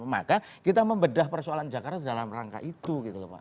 maka kita membedah persoalan jakarta dalam rangka itu